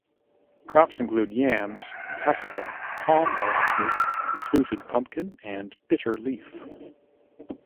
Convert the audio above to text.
Crops include yams, cassava, palm-oil fruit, fluted pumpkin and bitter-leaf.